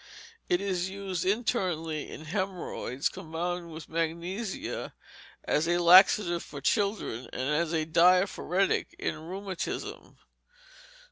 It is used internally in hemorrhoids, combined with magnesia, as a laxative for children, and as a diaphoretic in rheumatism.